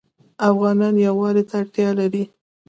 افغانان یووالي ته اړتیا لري.